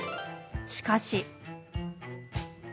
しかし。